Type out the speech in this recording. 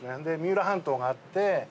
で三浦半島があって。